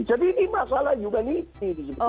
jadi ini masalah humanity